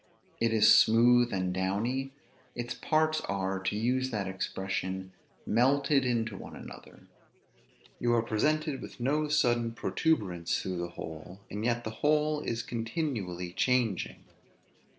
It is smooth and downy; its parts are (to use that expression) melted into one another; you are presented with no sudden protuberance through the whole, and yet the whole is continually changing.